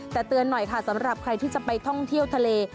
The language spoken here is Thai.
แต่เตือนหน่อยค่ะสำหรับใครที่จะไปท่องเที่ยวทะเล